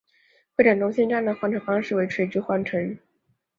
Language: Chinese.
会展中心站的换乘方式为垂直换乘。